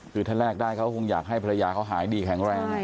คือถ้าแลกได้เขาคงอยากให้ภรรยาเขาหายดีแข็งแรง